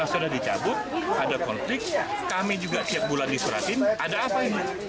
sudah dicabut ada konflik kami juga tiap bulan disuratin ada apa ini